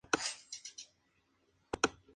En Buenos Aires trabajó como albañil.